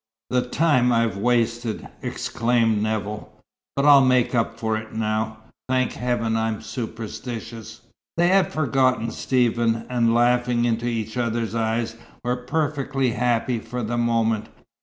The time I've wasted!" exclaimed Nevill. "But I'll make up for it now. Thank Heaven I'm superstitious." They had forgotten Stephen, and laughing into each other's eyes, were perfectly happy for the moment.